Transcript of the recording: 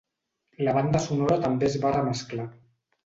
La banda sonora també es va remesclar.